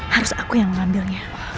harus aku yang mengambilnya